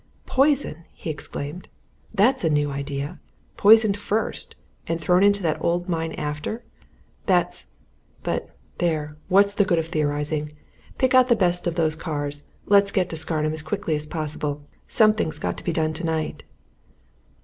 "Poison!" he exclaimed. "That's a new idea! Poisoned first! and thrown into that old mine after? That's but, there, what's the good of theorizing? Pick out the best of those cars, and let's get to Scarnham as quick as possible. Something's got to be done tonight."